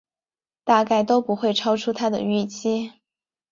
大概都不会超出他的预期